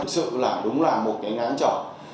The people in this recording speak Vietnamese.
thực sự là đúng là một cái ngán trò